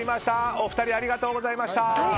お二人、ありがとうございました。